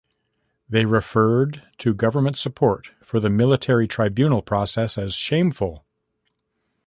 They referred to government support for the military tribunal process as shameful.